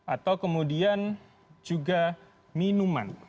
atau kemudian juga minuman